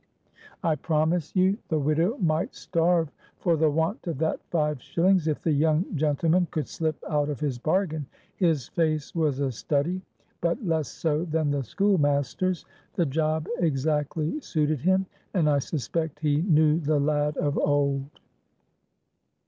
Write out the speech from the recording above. I promise you, the widow might starve for the want of that five shillings if the young gentleman could slip out of his bargain. His face was a study. But less so than the schoolmaster's. The job exactly suited him, and I suspect he knew the lad of old."